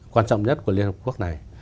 quan trọng nhất của liên hợp quốc này